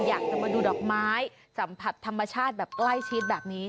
อยากจะมาดูดอกไม้สัมผัสธรรมชาติแบบใกล้ชิดแบบนี้